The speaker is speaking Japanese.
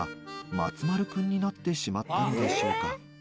「松丸くんになってしまったのでしょうか」